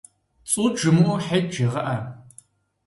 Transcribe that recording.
Цӏут жымыӏэу, Хьет жегъыӏэ!